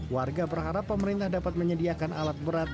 warga berharap pemerintah dapat menyediakan alat berat